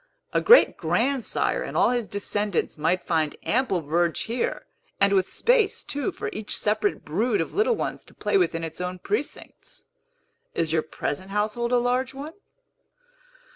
A great grandsire and all his descendants might find ample verge here, and with space, too, for each separate brood of little ones to play within its own precincts. Is your present household a large one?"